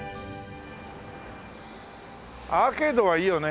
アーケードはいいよね